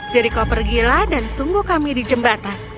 jadi kau pergilah dan tunggu kami di jembatan